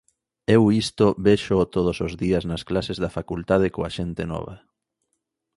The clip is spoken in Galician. Eu isto véxoo todos os días nas clases da facultade coa xente nova.